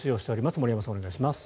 森山さん、お願いします。